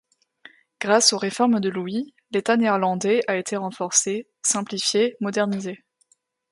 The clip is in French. Grâce aux réformes de Louis, l’État néerlandais a été renforcé, simplifié, modernisé.